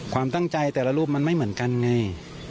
ความตั้งใจแต่ละรูปมันไม่เหมือนกันไง